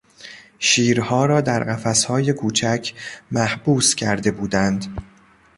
شیرها را در قفسهای کوچک محبوس کرده بودند.